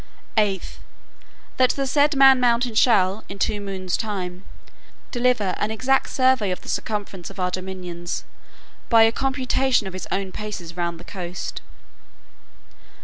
"8th, That the said man mountain shall, in two moons' time, deliver in an exact survey of the circumference of our dominions, by a computation of his own paces round the coast.